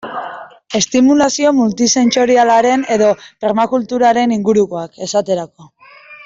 Estimulazio multisentsorialaren edo permakulturaren ingurukoak, esaterako.